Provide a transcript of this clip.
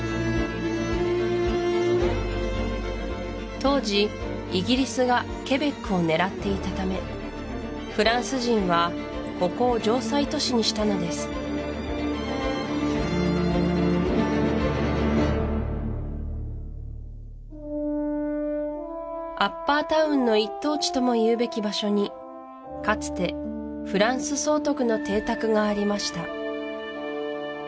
当時イギリスがケベックを狙っていたためフランス人はここを城塞都市にしたのですアッパータウンの一等地ともいうべき場所にかつてフランス総督の邸宅がありました